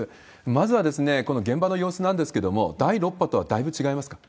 まずはこの現場の様子なんですけれども、第６波とはだいぶ違いますか。